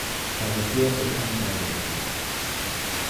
Falleció de cáncer de vejiga.